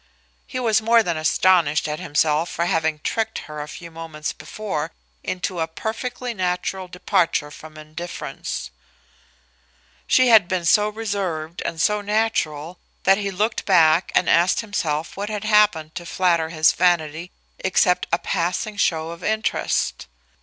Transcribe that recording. He was more than astonished at himself for having tricked her a few moments before into a perfectly natural departure from indifference. She had been so reserved and so natural that he looked back and asked himself what had happened to flatter his vanity except a passing show of interest.